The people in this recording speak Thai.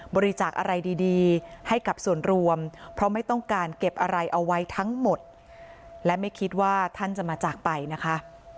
บริจาคอะไรดีให้กับส่วนรวมเพราะไม่ต้องการเก็บอะไรเอาไว้ทั้งหมดและไม่คิดว่าท่านจะมาจากไปนะคะ